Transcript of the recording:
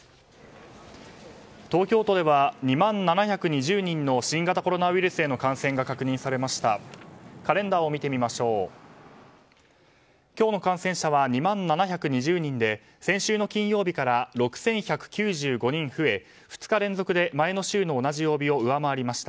東京都では２万７２０人の新型コロナウイルスへの感染が確認されました。